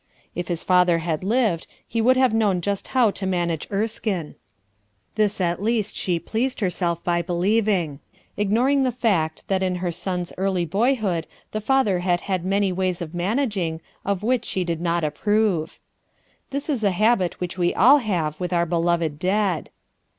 If his father had lived, he would have known just how to manage Erskine; this, at 12 RUTH ERSKINE'S SON least/she pleased herself by believing, ignoring the fact that i» their son's early boyhood the father had had many ways of managing, of which she did not approve. This is a habit which we all have with our beloved dead.